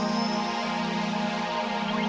gak ada yang bisa dihukum